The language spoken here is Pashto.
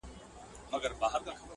پر اوږو د وارثانو جنازه به دي زنګیږي؛